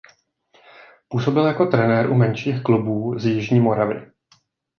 Působil jako trenér u menších klubů z jižní Moravy.